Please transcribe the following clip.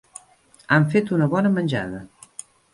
Han fet una bona menjada.